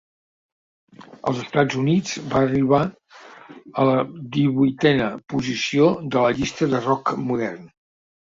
Als Estats Units va arribar a la divuitena posició de la llista de rock modern.